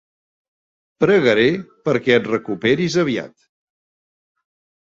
Pregaré perquè et recuperis aviat.